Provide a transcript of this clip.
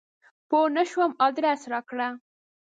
پوه نه شوم ادرس راکړه !